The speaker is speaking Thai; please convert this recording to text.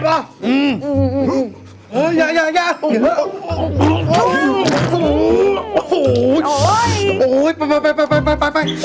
โอ้ยโอ้ยไปไปไปไปไปไปไป